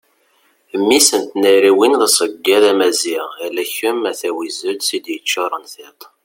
mmi-s n tnariwin d aseggad amaziɣ ala kem a tawizet i d-yeččuren tiṭ